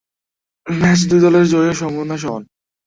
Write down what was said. ম্যাচে দুই দলের জয়ের সম্ভাবনাই সমান।